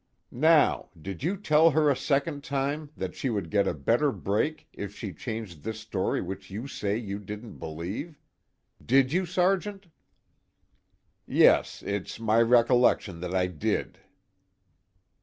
Now did you tell her a second time that she would get a better break if she changed this story which you say you didn't believe? Did you, Sergeant?" "Yes, it's my recollection that I did."